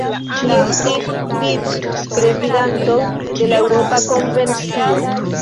Li estis vicprezidanto de la Eŭropa Konvencio.